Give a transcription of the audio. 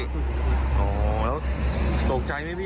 โอ้โหแล้วตกใจไหมพี่